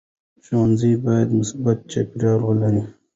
ښوونځی باید مثبت چاپېریال ولري.